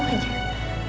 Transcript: makasih untuk waktu